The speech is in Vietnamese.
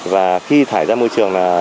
và khi thải ra môi trường